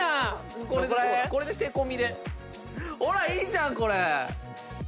いいじゃんこれ！